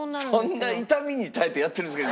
そんな痛みに耐えてやってるんですか？